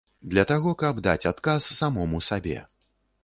Для таго, каб даць адказ самому сабе.